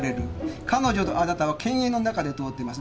彼女とあなたは犬猿の仲で通ってます。